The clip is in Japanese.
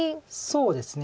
そうですね